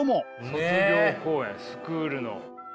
卒業公演スクールの。